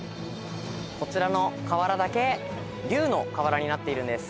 こちらの瓦だけ龍の瓦になっているんです。